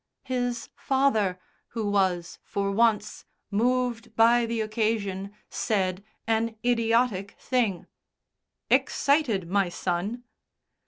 His father, who was, for once, moved by the occasion, said an idiotic thing; "Excited, my son?"